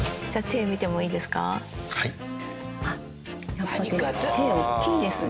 やっぱ手おっきいですね。